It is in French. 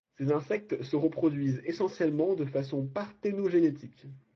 Ces insectes se reproduisent essentiellement de façon parthénogénétique.